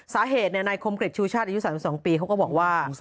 สาเหตุนายคมกริจชูชาติอายุ๓๒ปีเขาก็บอกว่า